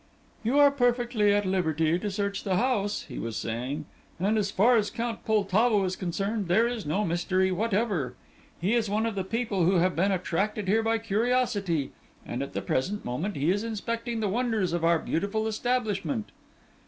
"You are perfectly at liberty to search the house," he was saying, "and, as far as Count Poltavo is concerned, there is no mystery whatever. He is one of the people who have been attracted here by curiosity, and at the present moment he is inspecting the wonders of our beautiful establishment."